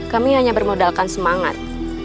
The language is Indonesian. kami hanya bermodalkan semangat